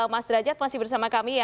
mas derajat masih bersama kami ya